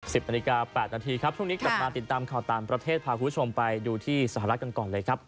นาฬิกาแปดนาทีครับช่วงนี้กลับมาติดตามข่าวต่างประเทศพาคุณผู้ชมไปดูที่สหรัฐกันก่อนเลยครับ